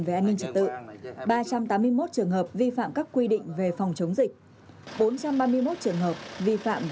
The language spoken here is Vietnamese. về an ninh trật tự ba trăm tám mươi một trường hợp vi phạm các quy định về phòng chống dịch